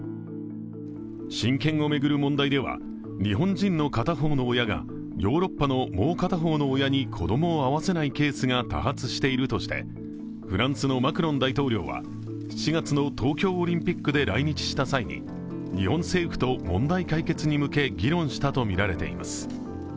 親権を巡る問題では、日本人の片方の親がヨーロッパのもう片方の親に子供を会わせないケースが多発しているとして、フランスのマクロン大統領は７月の東京オリンピックで来日した際に日本政府と問題解決に向け議論したとみられています。